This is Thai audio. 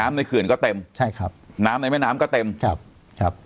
ในเขื่อนก็เต็มใช่ครับน้ำในแม่น้ำก็เต็มครับครับ